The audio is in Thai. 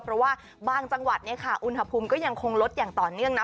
เพราะว่าบางจังหวัดอุณหภูมิก็ยังคงลดอย่างต่อเนื่องนะ